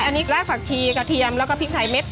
อันนี้ใกล้ผักชีกระเทียมแล้วก็พริกไทยเม็ด